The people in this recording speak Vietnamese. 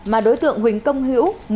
mà đối tượng huỳnh công hữu